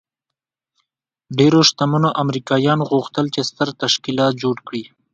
ډېرو شتمنو امریکایانو غوښتل چې ستر تشکیلات جوړ کړي